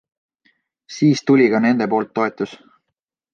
Siis tuli ka nende poolt toetus.